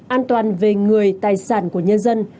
an toàn về người tài sản của nhân dân